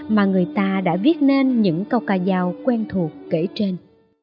mà người ta đã viết nên những câu ca giao quen thuộc kể trên